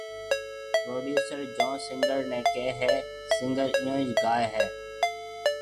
پروڊيوسر جين سنگر ني ڪي ھيَََ سنگر ايئونج گاوي ھيَََ